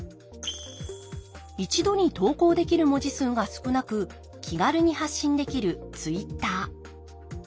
一度に投稿できる文字数が少なく気軽に発信できるＴｗｉｔｔｅｒ。